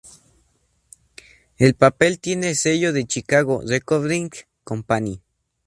El papel tiene el sello de Chicago Recording Company.